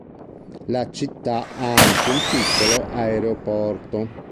La città ha anche un piccolo aeroporto.